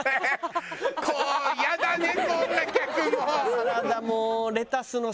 こうイヤだねこんな客も。